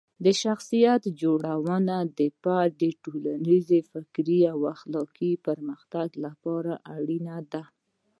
شخصیت جوړونه د فرد د ټولنیز، فکري او اخلاقي پرمختګ لپاره اړینه ده.